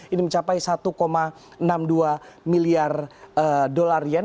ini mencapai satu enam puluh dua miliar dolar yen